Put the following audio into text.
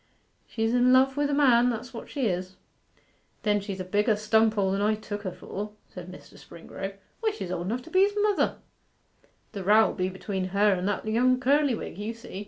She's in love wi' the man, that's what she is.' 'Then she's a bigger stunpoll than I took her for,' said Mr. Springrove. 'Why, she's old enough to be his mother.' 'The row'll be between her and that young Curlywig, you'll see.